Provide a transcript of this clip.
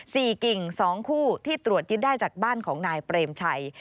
กิ่งสองคู่ที่ตรวจยึดได้จากบ้านของนายเปรมชัย